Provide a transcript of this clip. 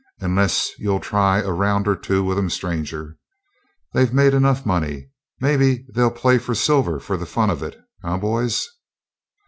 Unless you'll try a round or two with 'em, stranger? They've made enough money. Maybe they'll play for silver for the fun of it, eh, boys?"